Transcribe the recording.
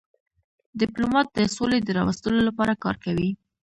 ډيپلومات د سولي د راوستلو لپاره کار کوي.